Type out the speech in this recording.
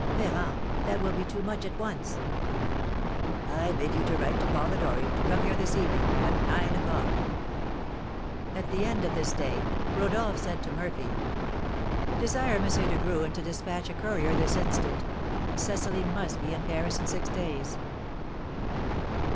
Ferrand, that will be too much at once!" "I bid you write to Polidori, to come here this evening, at nine o'clock!" At the end of this day, Rodolph said to Murphy: "Desire M. de Graün to despatch a courier this instant; Cecily must be in Paris in six days."